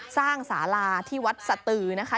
สร้างสาลาที่วัดสตือนะคะ